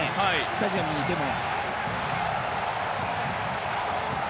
スタジアムにいても。